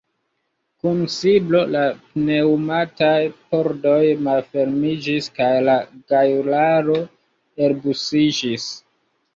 Kun siblo la pneŭmataj pordoj malfermiĝis kaj la gajularo elbusiĝis.